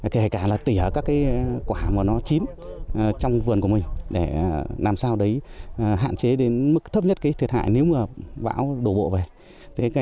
kể cả là tỉa các quả mà nó chín trong vườn của mình để làm sao đấy hạn chế đến mức thấp nhất thiệt hại nếu mà bão đổ bộ về